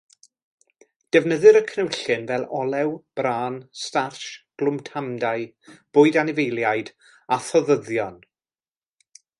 Defnyddir y cnewyllyn fel olew, bran, startsh, glwtamadau, bwyd anifeiliaid, a thoddyddion.